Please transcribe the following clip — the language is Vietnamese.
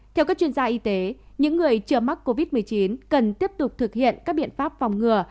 theo các chuyên gia y tế những người chưa mắc covid một mươi chín cần tiếp tục thực hiện các biện pháp phòng ngừa